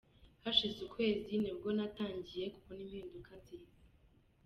Hashize ukwezi nibwo natangiye kubona impinduka nziza .